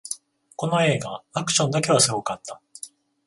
この映画、アクションだけはすごかった